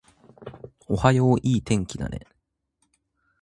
おはよう、いい天気だね